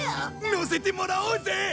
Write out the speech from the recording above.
乗せてもらおうぜ！